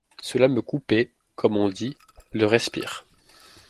Cela me coupait, comme on dit, le respir…